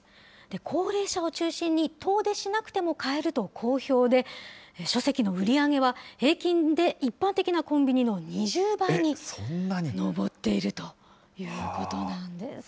高齢者を中心に遠出しなくても買えると好評で、書籍の売り上げは、平均で一般的なコンビニの２０倍に上っているということなんです。